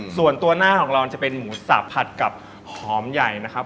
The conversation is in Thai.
ส่วนตัวหน้าของเราจะเป็นหมูสับผัดกับหอมใหญ่นะครับ